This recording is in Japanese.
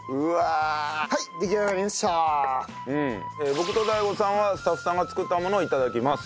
僕とＤＡＩＧＯさんはスタッフさんが作ったものを頂きます。